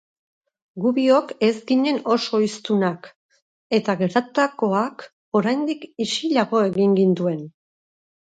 Gu biok ez ginen oso hiztunak, eta gertatutakoak oraindik isilago egin gintuen.